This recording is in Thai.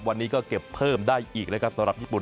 วันนี้ก็เก็บเพิ่มได้อีกนะครับสำหรับญี่ปุ่น